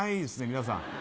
皆さん。